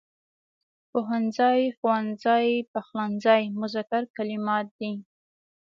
پوهنځی، ښوونځی، پخلنځی مذکر کلمات دي.